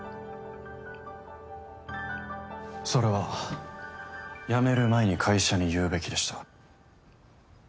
それは辞める前に会社に言うべきでした。